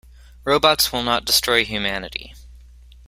Robots will not destroy humanity.